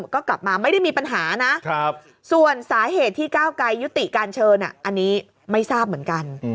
ก็กลับมาไม่ได้มีปัญหานะส่วนสาเหตุที่ก้าวไกรยุติการเชิญอันนี้ไม่ทราบเหมือนกัน